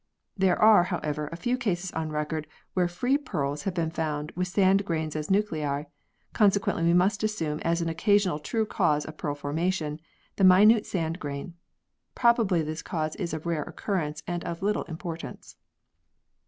There are, however, a few cases on record where free pearls have been found with sand grains as nuclei, consequently we must assume as an occa sional true cause of pearl formation the minute sand grain. Probably this cause is of rare occurrence and of little importance.